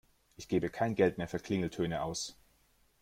Ich gebe kein Geld mehr für Klingeltöne aus.